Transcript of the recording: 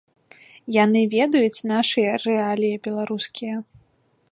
Яны ведаюць нашыя рэаліі беларускія.